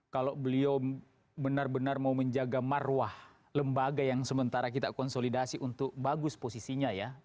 kalau beliau benar benar mau menjaga marwah lembaga yang sementara kita konsolidasi untuk bagus posisinya ya